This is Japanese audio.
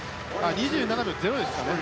２７秒０でしたね。